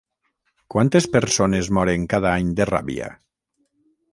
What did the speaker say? Quantes persones moren cada any de ràbia?